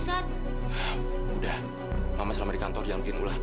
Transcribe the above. aku lagi ada meeting